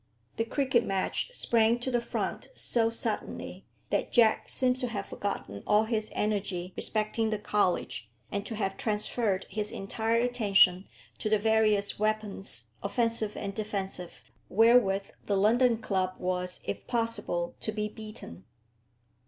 The cricket match sprang to the front so suddenly, that Jack seemed to have forgotten all his energy respecting the college, and to have transferred his entire attention to the various weapons, offensive and defensive, wherewith the London club was, if possible, to be beaten.